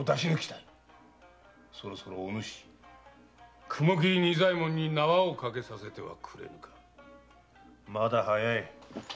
そろそろおぬし・雲切仁左衛門に縄を掛けさせてはくれぬか？まだ早い。